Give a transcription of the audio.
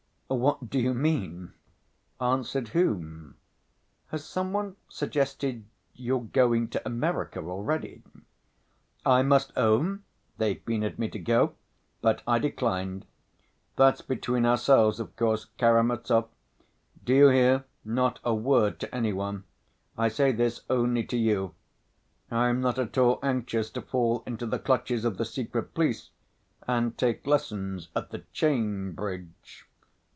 "What do you mean? Answered whom? Has some one suggested your going to America already?" "I must own, they've been at me to go, but I declined. That's between ourselves, of course, Karamazov; do you hear, not a word to any one. I say this only to you. I am not at all anxious to fall into the clutches of the secret police and take lessons at the Chain bridge.